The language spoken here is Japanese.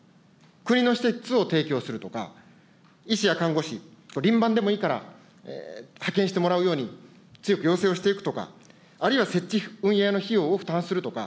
国の施設を提供するとか、医師や看護師、輪番でもいいから、派遣してもらうように強く要請をしていくとか、あるいは設置運営の費用を負担するとか。